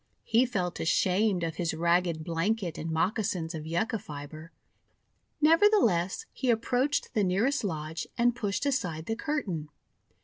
He felt ashamed of his ragged blanket and moccasins of Yucca fibre; nevertheless he ap proached the nearest lodge and pushed aside the curtain.